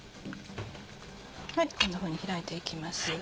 こんなふうに開いて行きます。